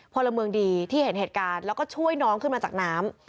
พลเมืองดีที่เห็นเหตุการณ์แล้วก็ช่วยน้องขึ้นมาจากน้ำ